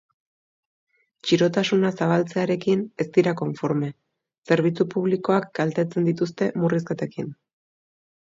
Txirotasuna zabaltzearekin ez dira konforme, zerbitzu publikoak kaltetzen dituzten murrizketekin.